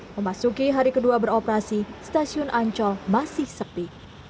memasuki hari kedua beroperasi stasiun ancol masih sepi